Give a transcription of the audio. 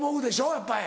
やっぱり。